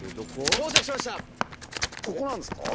ここなんですか？